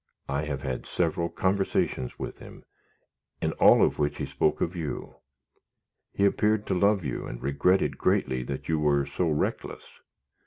"I have had several conversations with him, in all of which he spoke of you. He appeared to love you, and regretted greatly that you were so reckless.